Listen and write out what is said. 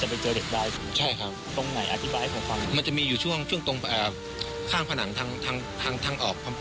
หรือว่าเราต้องเข้าไปแล้วไปทางไหน